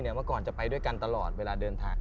เมื่อก่อนจะไปด้วยกันตลอดเวลาเดินทาง